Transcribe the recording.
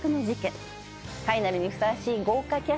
ファイナルにふさわしい豪華キャストでお届けします。